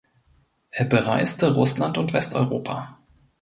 Er bereiste Russland und Westeuropa.